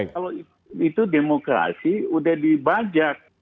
kalau itu demokrasi udah dibajak